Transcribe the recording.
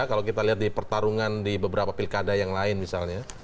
kalau kita lihat di pertarungan di beberapa pilkada yang lain misalnya